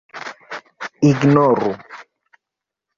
ignoru